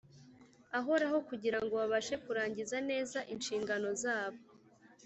ahoraho kugira ngo babashe kurangiza neza inshingano zabo